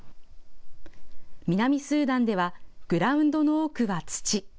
南スーダンではグラウンドの多くは土。